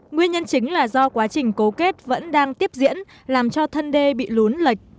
nguyên nhân chính là do quá trình cố kết vẫn đang tiếp diễn làm cho thân đê bị lún lệch